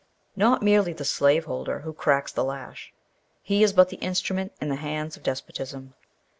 Not merely the slaveholder who cracks the lash. He is but the instrument in the hands of despotism.